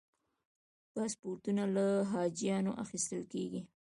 پاسپورتونه له حاجیانو اخیستل کېږي.